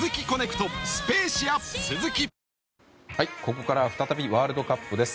ここからは再びワールドカップです。